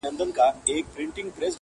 پېژندل یې کورنیو له عمرونو.!